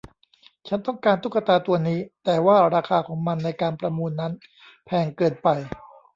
ฉันต้องการตุ๊กตาตัวนี้ แต่ว่าราคาของมันในการประมูลนั้นแพงเกินไป